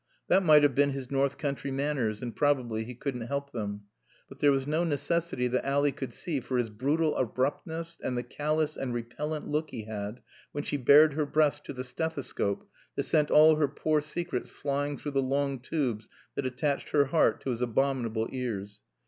That might have been his north country manners and probably he couldn't help them. But there was no necessity that Ally could see for his brutal abruptness, and the callous and repellent look he had when she bared her breast to the stethescope that sent all her poor secrets flying through the long tubes that attached her heart to his abominable ears.